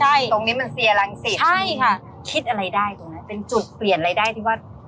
ใช่ตรงนี้มันเซียรังสิตใช่ค่ะคิดอะไรได้ตรงนั้นเป็นจุดเปลี่ยนรายได้ที่ว่า